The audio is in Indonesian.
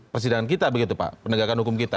persidangan kita begitu pak penegakan hukum kita